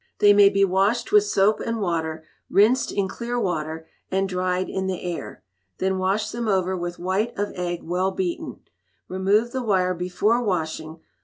They may be washed with soap and water, rinsed in clear water, and dried in the air. Then wash them over with white of egg well beaten, Remove the wire before washing.